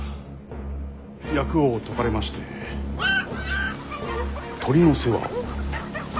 役を解かれまして鶏の世話を。